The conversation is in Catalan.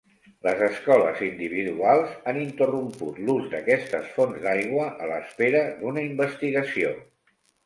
Les escoles individuals han interromput l'ús d'aquestes fonts d'aigua a l'espera d'una investigació.